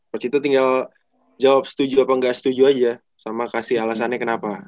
coach ito tinggal jawab setuju apa gak setuju aja sama kasih alasannya kenapa